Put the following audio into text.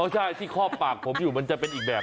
ใช่ที่คอบปากผมอยู่มันจะเป็นอีกแบบ